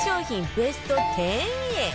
ベスト１０へ